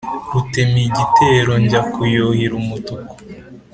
rutemigitero njya kuyuhira umutuku